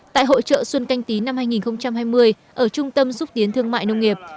tại hội trợ xuân canh tí năm hai nghìn hai mươi ở trung tâm xúc tiến thương mại nông nghiệp